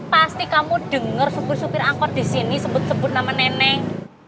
pasti kamu denger supir supir angkor disini sebut sebut nama neneng